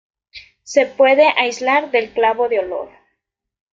Se puede aislar del clavo de olor.